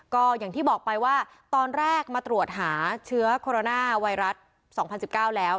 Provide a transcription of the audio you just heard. ก็อย่างที่บอกไปว่าตอนแรกมาตรวจหาเชื้อโคโรนาไวรัส๒๐๑๙แล้ว